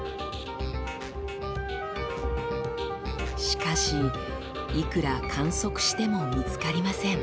しかしいくら観測しても見つかりません。